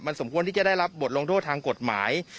สมควรที่จะได้รับบทลงโทษทางกฎหมาย